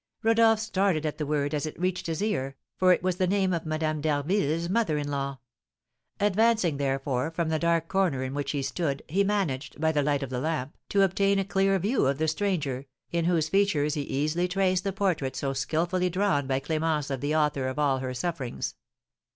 Rodolph started at the word, as it reached his ear, for it was the name of Madame d'Harville's mother in law. Advancing, therefore, from the dark corner in which he stood, he managed, by the light of the lamp, to obtain a clear view of the stranger, in whose features he easily traced the portrait so skilfully drawn by Clémence of the author of all her sufferings.